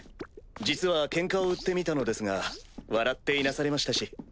実はケンカを売ってみたのですが笑っていなされましたし。